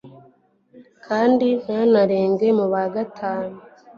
kandi ntanarenge mu bagatatu.